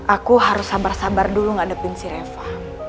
aku harus sabar sabar dulu ngadepin si reva